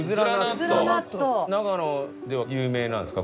長野では有名なんですか？